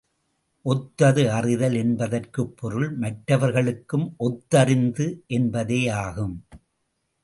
ஒத்தது அறிதல் என்பதற்குப் பொருள், மற்றவர்களுக்கும் ஒத்ததறிந்து என்பதேயாகும்.